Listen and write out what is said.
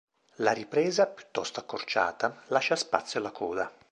La ripresa, piuttosto accorciata, lascia spazio alla Coda.